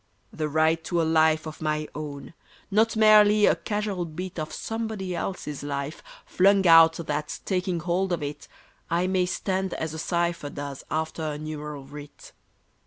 The right to a life of my own, Not merely a casual bit Of somebody else's life, flung out That, taking hold of it, I may stand as a cipher does after a numeral writ.